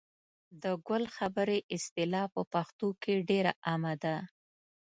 د ګل خبرې اصطلاح په پښتو کې ډېره عامه ده.